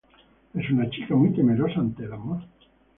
Es una chica muy temerosa ante el amor.